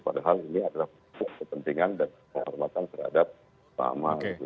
padahal ini adalah kepentingan dan penghormatan terhadap umat